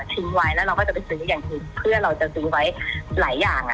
ทิ้งไว้แล้วเราก็จะไปซื้ออย่างทิ้งเพื่อเราจะทิ้งไว้หลายอย่าง